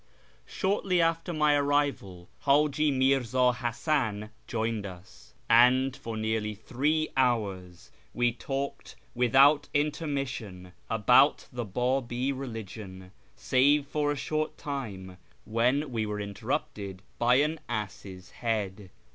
Shortly after my arrival, Haji Mirz;i Hasan joined us, and for nearly three hours we talked without intermission about the Babi religion, save for a short time, when we were interrupted by an " ass's head."